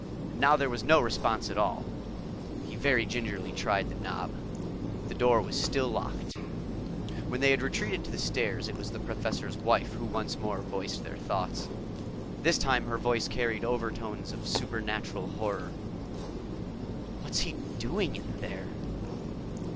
Now there was no response at all. He very gingerly tried the knob. The door was still locked. When they had retreated to the stairs, it was the Professor's Wife who once more voiced their thoughts. This time her voice carried overtones of supernatural horror. "_What's he doing in there?